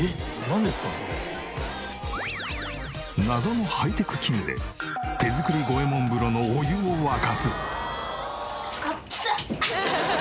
謎のハイテク器具で手作り五右衛門風呂のお湯を沸かす！